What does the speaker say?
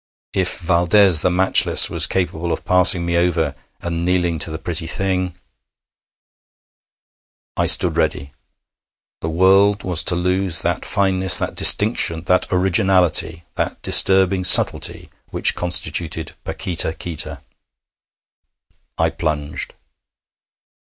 If Valdès the matchless was capable of passing me over and kneeling to the pretty thing I stood ready. The world was to lose that fineness, that distinction, that originality, that disturbing subtlety, which constituted Paquita Qita. I plunged.